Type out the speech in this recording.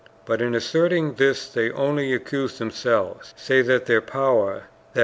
But in asserting this they only accuse themselves, say that their power, i. e.